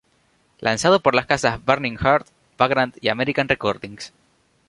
Lanzado por las casas Burning Heart, Vagrant y American Recordings.